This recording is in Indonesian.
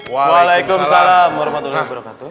waalaikumsalam warahmatullahi wabarakatuh